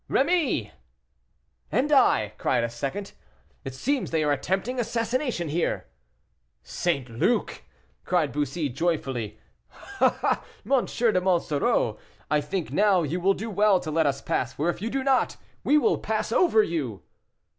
"Rémy!" "And I?" cried a second voice, "it seems they are attempting assassination here." "St. Luc!" cried Bussy, joyfully. "Ah! M. de Monsoreau, I think now you will do well to let us pass, for if you do not, we will pass over you."